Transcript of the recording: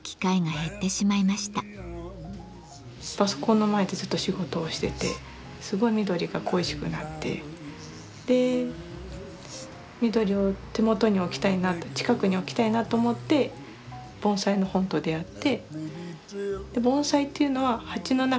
パソコンの前でずっと仕事をしててすごい緑が恋しくなってで緑を手元に置きたいなって近くに置きたいなと思って盆栽の本と出会って。